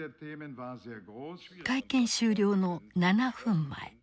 会見終了の７分前